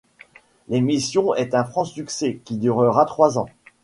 L'émission est un franc succès, qui durera trois ans.